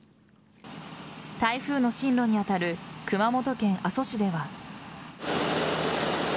台風の進路に当たる熊本県阿蘇市では。